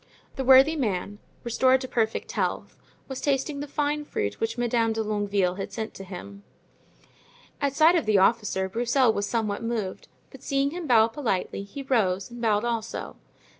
The worthy man, restored to perfect health, was tasting the fine fruit which Madame de Longueville had sent to him. At sight of the officer Broussel was somewhat moved, but seeing him bow politely he rose and bowed also.